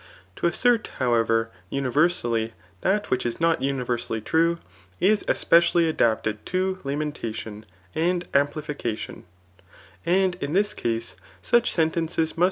; To assert, however, universally, that which is^ not universally true, is e^peqially adapted to lament«iiOi»« and amplication ; and in this case, ^ch seateiices ttust.